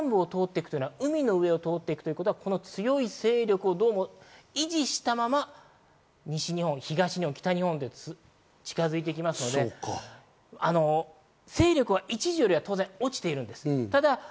ただ沿岸部を通って行くと、海の上を通っていくと強い勢力を維持したまま西日本、東日本、北日本に近づいてきますので、勢力は一時よりは当然落ちているんです。